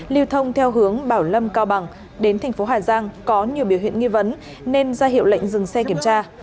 liều thông theo hướng bảo lâm cao bằng đến thành phố hà giang có nhiều biểu hiện nghi vấn nên ra hiệu lệnh dừng xe kiểm tra